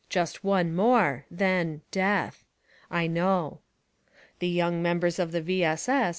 Just one more; then — death." I know. The young members of the — V. S. S.